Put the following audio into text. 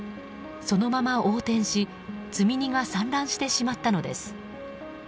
そのまま横転し積み荷が散乱してしまったのです。